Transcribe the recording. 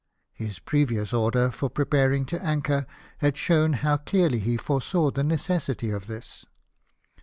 His previous order for preparing to anchor had shown how clearly he fore saw the necessity of this.